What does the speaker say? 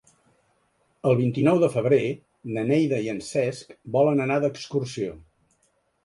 El vint-i-nou de febrer na Neida i en Cesc volen anar d'excursió.